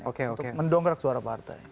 untuk mendongkrak suara partai